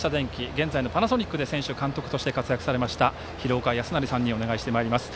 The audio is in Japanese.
現在のパナソニックで選手、監督として活躍されました廣岡資生さんにお願いしてまいります。